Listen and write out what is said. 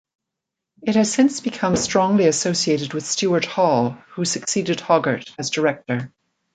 It has since become strongly associated with Stuart Hall, who succeeded Hoggart as Director.